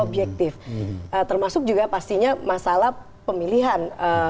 dan juga pastinya masalah pemilihan